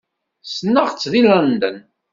Ssneɣ-tt deg London.